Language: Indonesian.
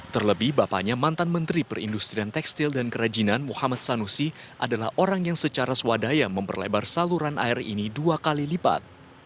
terlebih bapaknya mantan menteri perindustrian tekstil dan kerajinan muhammad sanusi adalah orang yang secara swadaya memperlebar saluran air ini dua kali lipat